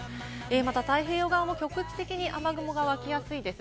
また太平洋側も局地的に雨雲がわきやすいです。